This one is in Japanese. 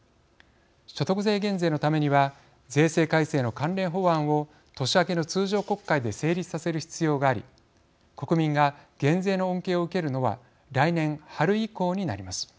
所得税減税のためには税制改正の関連法案を年明けの通常国会で成立させる必要があり国民が減税の恩恵を受けるのは来年春以降になります。